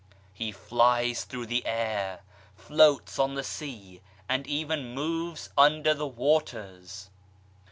He flies through the air, floats on the sea, and even moves under the waters.